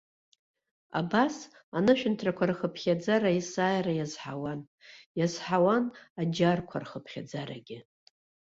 Абас, анышәынҭрақәа рхыԥхьаӡара есааира иазҳауан, иазҳауан аџьарқәа рхыԥхьаӡарагьы.